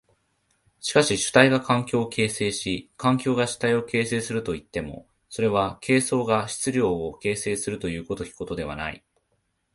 しかし主体が環境を形成し環境が主体を形成するといっても、それは形相が質料を形成するという如きことではない。